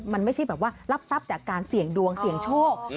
มันไม่ใช่แบบว่ารับทรัพย์จากการเสี่ยงดวงเสี่ยงโชค